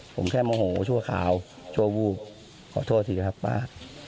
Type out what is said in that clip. ผมแค่โมโหชั่วคราวชั่ววูบขอโทษทีครับป้า